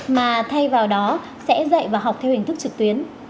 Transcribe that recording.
mà thay vào đó sẽ dạy và học theo hình thức trực tuyến